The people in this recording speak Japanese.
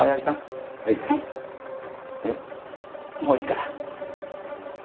もういいから。